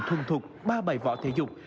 thuần thuộc ba bài võ thể dục